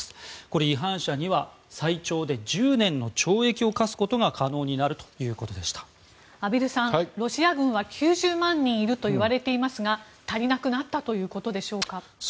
これ、違反者には最長で１０年の懲役を科すことが畔蒜さん、ロシア軍は９０万人いるといわれていますが足りなくなったということでしょうか。